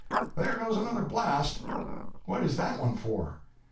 There goes another blast." "What is that one for?"